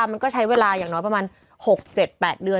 มันก็ใช้เวลาอย่างน้อยประมาณ๖๗๘เดือน